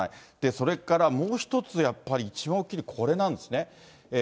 それからもう一つやっぱり一番大きいの、これなんですよね。